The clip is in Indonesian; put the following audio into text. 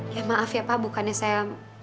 ya maaf ya pak bukannya saya